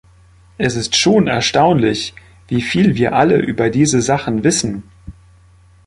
Es ist schon erstaunlich, wie viel wir alle über diese Sachen wissen!